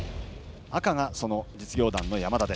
赤が実業団の山田。